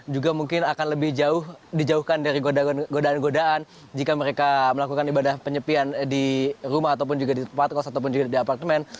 juga mungkin akan lebih dijauhkan dari godaan godaan jika mereka melakukan ibadah penyepian di rumah ataupun juga di tempat kos ataupun juga di apartemen